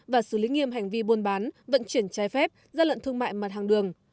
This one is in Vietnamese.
và xử lý nghiêm hành vi buôn bán vận chuyển trái phép gia lận thương mại mặt hàng đường